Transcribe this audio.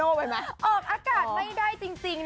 ออกการไม่ได้จริง